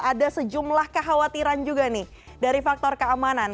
ada sejumlah kekhawatiran juga nih dari faktor keamanan